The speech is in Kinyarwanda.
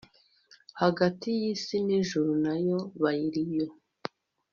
Hagati yisi nijuru nayo bariyo